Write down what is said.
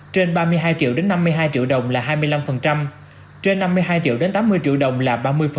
trên ba mươi hai triệu đến năm mươi hai triệu đồng là hai mươi năm trên năm mươi hai triệu đến tám mươi triệu đồng là ba mươi